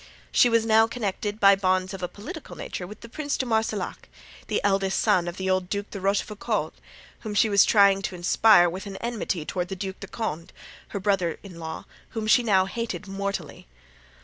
She was now connected by bonds of a political nature with the Prince de Marsillac, the eldest son of the old Duc de Rochefoucauld, whom she was trying to inspire with an enmity toward the Duc de Condé, her brother in law, whom she now hated mortally.